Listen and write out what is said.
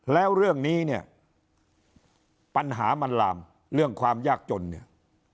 แล้วเรื่องนี้เนี่ยปัญหามันลามเรื่องความยากจนเนี่ย